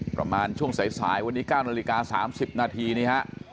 ประมาณช่วงสายวันนี้๙นาฬิกา๓๐นาทีนี่ฮะ